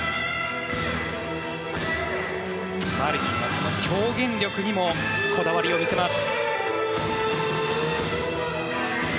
マリニンはこの表現力にもこだわりを見せます。